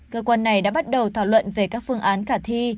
cơ quan này đã bắt đầu thảo luận về các phương án khả thi